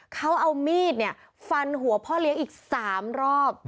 เขาเอามีดเนี่ยฟันหัวพ่อเลี้ยงอีกสามรอบ